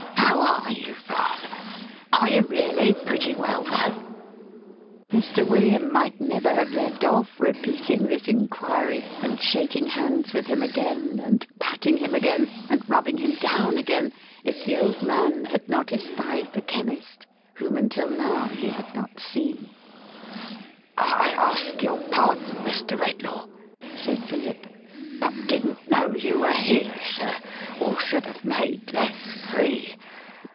— How are you, father ? Are you really pretty well, though ?" Mr. William might never have left off repeating this inquiry, and shaking hands with him again, and patting him again, and rubbing him down again, if the old man had not espied the Chemist, whom until now he had not seen. A GOOD PRAYER. 515 «I ask your pardon, Mr. Redlaw," said Philip, "but didn't know you were here, sir, or should have made less free.